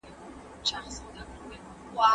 که د ځمکو راجستر ډیجیټل سي، نو غصب نه اسانه کیږي.